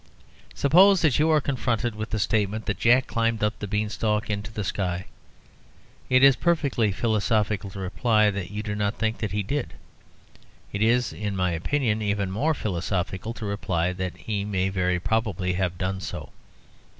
Suppose that you are confronted with the statement that Jack climbed up the beanstalk into the sky. It is perfectly philosophical to reply that you do not think that he did. It is (in my opinion) even more philosophical to reply that he may very probably have done so.